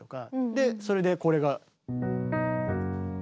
でそれでこれが。